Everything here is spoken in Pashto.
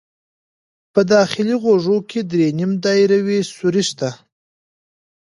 په داخلي غوږ کې درې نیم دایروي سوري شته.